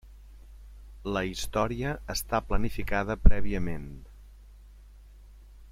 La història està planificada prèviament.